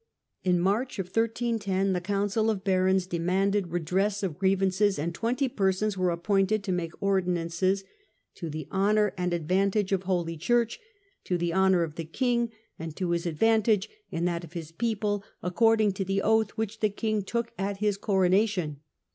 In March, 13 10, the council of barons demanded redress of grievances, and twenty persons were appointed to make ordinances, "to the honour and advantage of ORDINANCES OF I311. 99 holy church, to the honour of the king and to his advan tage and that of his people, according to the oath which the king took at his coronation